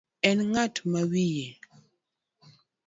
En ng'at ma wiye